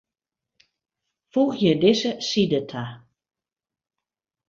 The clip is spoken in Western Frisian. Foegje dizze side ta.